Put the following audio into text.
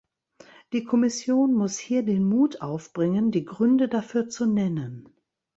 Die Kommission muss hier den Mut aufbringen, die Gründe dafür zu nennen.